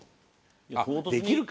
あっできるか。